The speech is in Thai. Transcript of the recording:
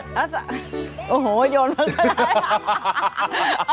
เอ่อโอ้โหโยนมากเลย